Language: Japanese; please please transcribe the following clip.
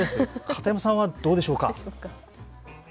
片山さんはどうでしょうか。